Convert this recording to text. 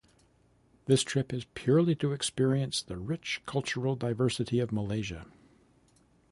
This trip is purely to experience the rich cultural diversity of Malaysia.